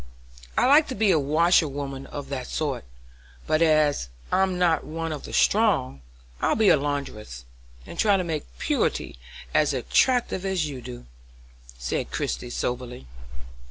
"I'd like to be a washerwoman of that sort; but as I'm not one of the strong, I'll be a laundress, and try to make purity as attractive as you do," said Christie, soberly.